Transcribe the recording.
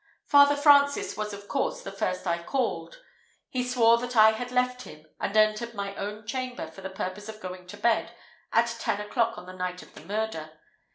Father Francis was of course the first I called. He swore that I had left him, and entered my own chamber for the purpose of going to bed, at ten o'clock on the night of the murder.